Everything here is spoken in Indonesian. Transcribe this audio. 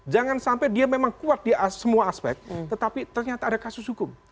jangan sampai dia memang kuat di semua aspek tetapi ternyata ada kasus hukum